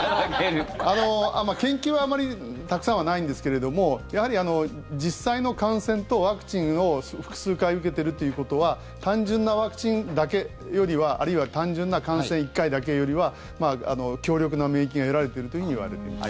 研究はあまりたくさんはないんですけれどもやはり実際の感染とワクチンを複数回受けているということは単純なワクチンだけよりはあるいは単純な感染１回だけよりは強力な免疫が得られているというふうにいわれています。